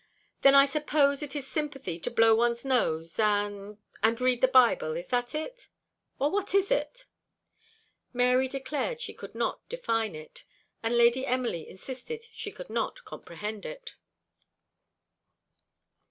"Then I suppose it is sympathy to blow one's nose and and read the Bible. Is that it? or what is it?" Mary declared she could not define it; and Lady Emily insisted she could not comprehend it.